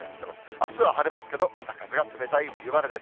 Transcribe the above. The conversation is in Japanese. あすは晴れますけど、北風が冷たい冬晴れです。